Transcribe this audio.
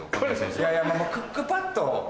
いやいやまぁクックパッド。